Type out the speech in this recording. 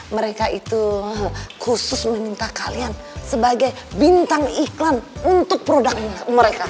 mereka itu khusus meminta kalian sebagai bintang iklan untuk produknya mereka